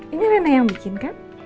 ini nenek yang bikin kan